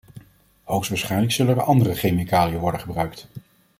Hoogstwaarschijnlijk zullen er andere chemicaliën worden gebruikt.